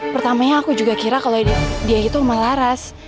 pertamanya aku juga kira kalo dia itu omah laras